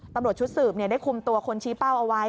ตำรวจชุดสืบได้คุมตัวคนชี้เป้าเอาไว้